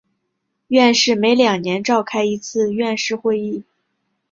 院士每两年召开一次院士会议。